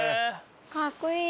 かっこいい！